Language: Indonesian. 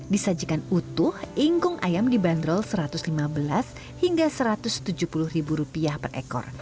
disajikan utuh ingkung ayam dibanderol rp satu ratus lima belas hingga satu ratus tujuh puluh ribu rupiah per ekor